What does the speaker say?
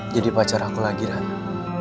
jadi pacar aku lagi rara